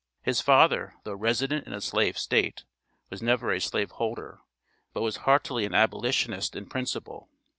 His father, though resident in a slave state, was never a slaveholder; but was heartily an Abolitionist in principle.